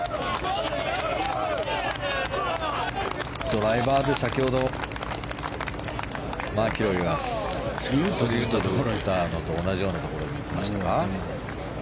ドライバーで、先ほどマキロイが３ウッドで打ったのと同じようなところに行きましたか。